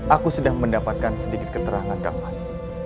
aku sudah mendapatkan sedikit keterangan kangas